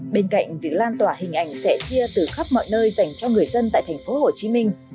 bên cạnh việc lan tỏa hình ảnh sẻ chia từ khắp mọi nơi dành cho người dân tại thành phố hồ chí minh